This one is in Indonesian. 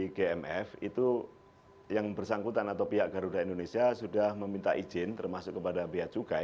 di gmf itu yang bersangkutan atau pihak garuda indonesia sudah meminta izin termasuk kepada biaya cukai